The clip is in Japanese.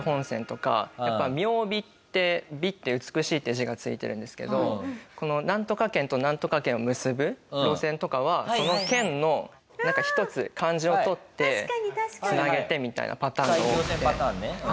やっぱり雅美って「美」って美しいって字が付いてるんですけどこのなんとか県となんとか県を結ぶ路線とかはその県の一つ漢字を取って繋げてみたいなパターンが多くて。